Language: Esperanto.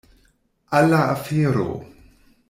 Al la afero!